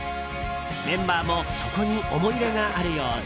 メンバーもそこに思い入れがあるようで。